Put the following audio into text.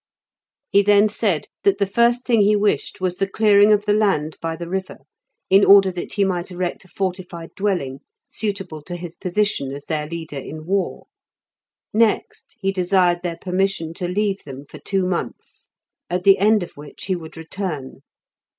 He then said that the first thing he wished was the clearing of the land by the river in order that he might erect a fortified dwelling suitable to his position as their Leader in war. Next he desired their permission to leave them for two months, at the end of which he would return.